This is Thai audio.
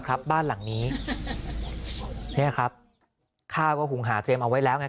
บ้านหลังนี้เนี่ยครับข้าวก็หุงหาเตรียมเอาไว้แล้วไง